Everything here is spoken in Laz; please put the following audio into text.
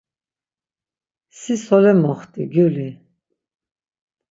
Si sole moxti gyuli!